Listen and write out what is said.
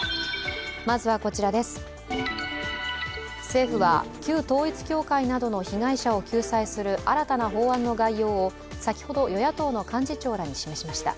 政府は旧統一教会などの被害者を救済する新たな法案の概要を先ほど与野党の幹事長らに示しました。